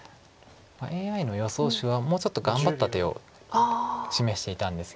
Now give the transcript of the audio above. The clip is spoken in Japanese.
ＡＩの予想手はもうちょっと頑張った手を示していたんです。